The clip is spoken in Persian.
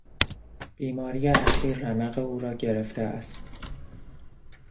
بیماری اخیر رمق او را گرفته است.